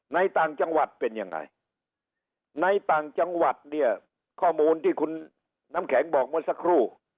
ต่างจังหวัดเป็นยังไงในต่างจังหวัดเนี่ยข้อมูลที่คุณน้ำแข็งบอกเมื่อสักครู่